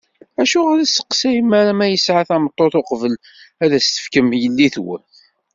Acuɣer ur testeqsayem ara ma yesɛa tameṭṭut, uqbel ad as-tefkem yellitwen?